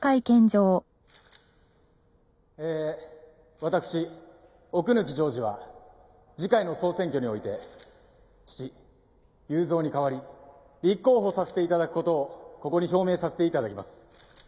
ええ私奥貫譲次は次回の総選挙において父雄三に代わり立候補させて頂く事をここに表明させて頂きます。